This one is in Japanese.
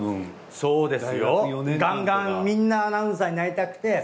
そうですよガンガンみんなアナウンサーになりたくて。